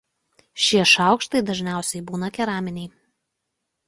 Šie šaukštai dažniausia būna keraminiai.